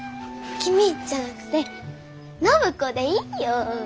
「君」じゃなくて暢子でいいよ。